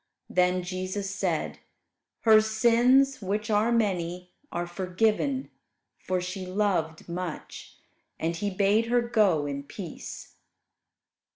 Then Jesus said, "Her sins which are many are forgiven, for she loved much"; and He bade her go in peace.